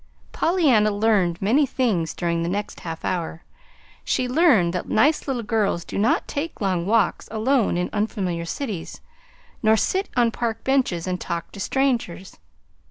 Pollyanna learned many things during the next half hour. She learned that nice little girls do not take long walks alone in unfamiliar cities, nor sit on park benches and talk to strangers.